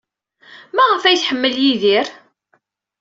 Maɣef ay tḥemmel Yidir?